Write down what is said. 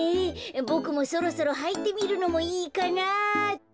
ボクもそろそろはいてみるのもいいかなあって。